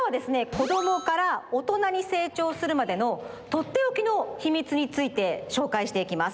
こどもからおとなに成長するまでのとっておきのヒミツについてしょうかいしていきます。